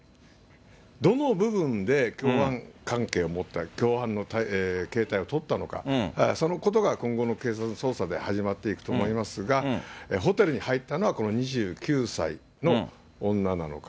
どの部分で共犯関係を持ったか、共犯の形態を取ったのか、そのことが今後の警察の捜査で始まっていくと思いますが、ホテルに入ったのは、この２９歳の女なのか。